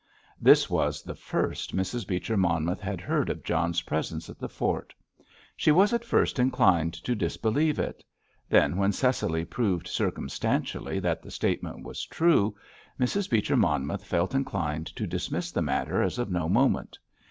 This was the first Mrs. Beecher Monmouth had heard of John's presence at the fort. She was at first inclined to disbelieve it. Then, when Cecily proved circumstantially that the statement was true, Mrs. Beecher Monmouth felt inclined to dismiss the matter as of no moment.